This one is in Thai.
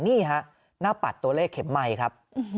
นี่ฮะหน้าปัดตัวเลขเข็มไมค์ครับ